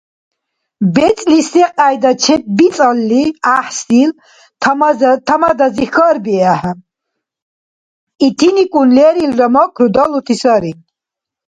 БецӀлис секӀяйда чеббицӀалли гӀяхӀсил, Тамадази хьарбиэхӀе, итиникӀун лерилра макру далути сари.